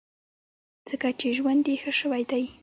ځکه چې ژوند یې ښه شوی دی.